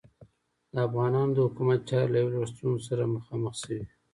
د افغانانو د حکومت چارې له یو لړ ستونزو سره مخامخې شوې.